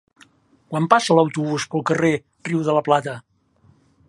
Quan passa l'autobús pel carrer Riu de la Plata?